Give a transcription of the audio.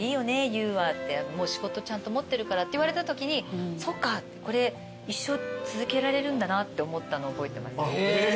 優はってもう仕事ちゃんと持ってるからって言われたときにそうかこれ一生続けられるんだなって思ったの覚えてます。